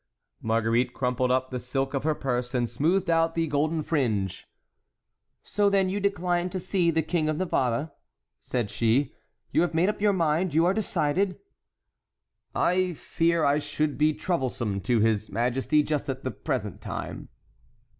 Marguerite crumpled up the silk of her purse and smoothed out the golden fringe. "So then you decline to see the King of Navarre?" said she; "you have made up your mind; you are decided?" "I fear I should be troublesome to his majesty just at the present time."